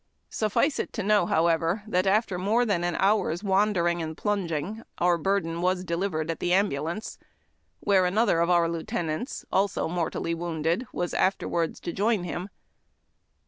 Suffice it to know, however, that, after more than an hour's wandering and plunging, our burden was delivered at the ambulance, where another of our lieutenants, also mortally wounded, was afterwards to join him.